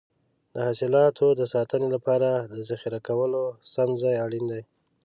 د حاصلاتو د ساتنې لپاره د ذخیره کولو سم ځای اړین دی.